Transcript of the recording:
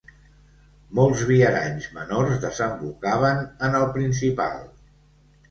Molts viaranys menors desembocaven en el principal.